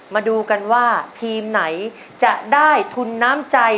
มาดูกันว่าทีมไหนจะได้ทุนน้ำใจ